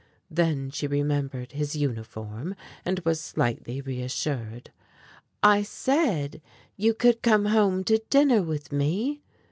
Then she remembered his uniform and was slightly reassured. "I said would you come home to dinner with me?"